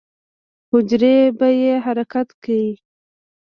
حجرې به يې حرکت کا.